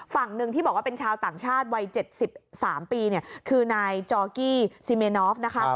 ฝั่งหนึ่งที่บอกว่าเป็นชาวต่างชาติวัย๗๓ปีคือนายจอร์กี้ซีเมนอฟนะคะ